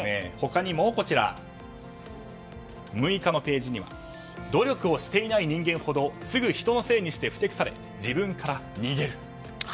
他にも、６日のページには努力をしていない人間ほどすぐ人のせいにして不貞腐れ自分から逃げる。